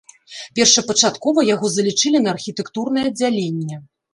Першапачаткова яго залічылі на архітэктурнае аддзяленне.